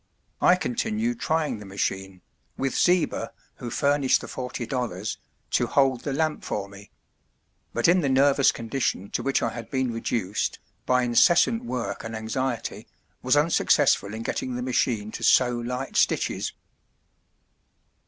I continued trying the machine, with Zieber, who furnished the forty dollars, to hold the lamp for me; but in the nervous condition to which I had been reduced, by incessant work and anxiety, was unsuccessful in getting the machine to sew light stitches.